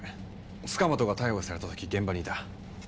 塚本が逮捕された時現場にいた。